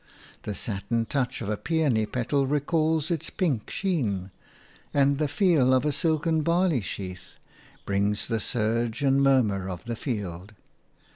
The satin touch of a peony petal recalls its pink sheen, and the feel of a silken barley sheath brings the surge and murmur of the field.